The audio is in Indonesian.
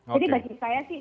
jadi bagi saya sih